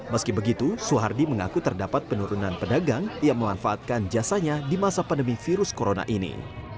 meski begitu soehardi mengaku terdapat penurunan pedagang yang memanfaatkan jasanya di masa pandemi virus corona ini